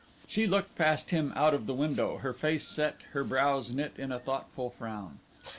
She looked past him out of the window, her face set, her brows knit in a thoughtful frown.